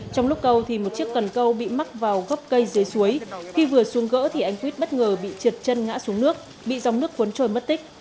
trong lúc câu thì một chiếc cần câu bị mắc vào gốc cây dưới suối khi vừa xuống gỡ thì anh quýt bất ngờ bị trượt chân ngã xuống nước bị dòng nước cuốn trôi mất tích